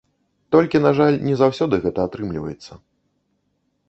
Толькі, на жаль, не заўсёды гэта атрымліваецца.